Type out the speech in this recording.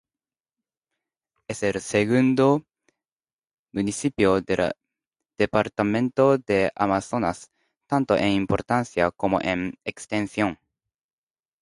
Es el segundo municipio del departamento de Amazonas, tanto en importancia como en extensión.